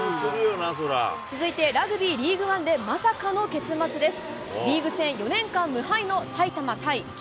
続いてラグビーリーグワンでまさかの結末です。